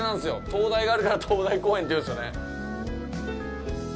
灯台があるから灯台公園ていうんすよね。